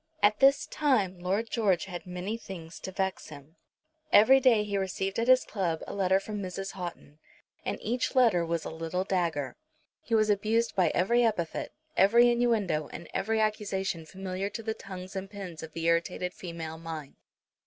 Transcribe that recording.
At this time Lord George had many things to vex him. Every day he received at his club a letter from Mrs. Houghton, and each letter was a little dagger. He was abused by every epithet, every innuendo, and every accusation familiar to the tongues and pens of the irritated female mind.